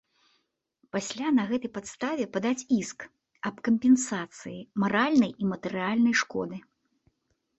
Пасля на гэтай падставе падаць іск аб кампенсацыі маральнай і матэрыяльнай шкоды.